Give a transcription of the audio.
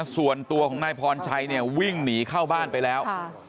ส่วนตัวของนายพรชัยเนี่ยวิ่งหนีเข้าบ้านไปแล้ว